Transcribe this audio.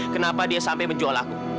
kenapa dia sampai menjual aku